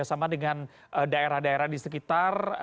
apakah anda juga bekerjasama dengan daerah daerah di sekitar